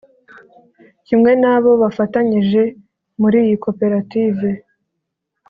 Kimwe n’abo bafatanyije muri iyi koperative